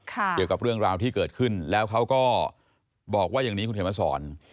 เกี่ยวกับเรื่องราวที่เกิดขึ้นแล้วเขาก็บอกว่าอย่างนี้คุณเขียนมาสอน